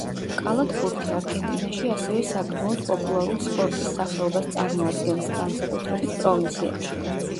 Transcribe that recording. კალათბურთი არგენტინაში ასევე საკმაოდ პოპულარულ სპორტის სახეობას წარმოადგენს, განსაკუთრებით პროვინციებში.